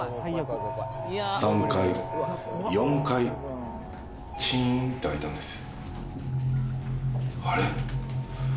３階４階チーンと開いたんです